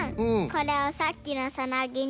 これをさっきのサナギに。